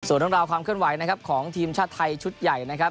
ส่วนต้องราความเคลื่อนไหวของทีมชาติไทยชุดใหญ่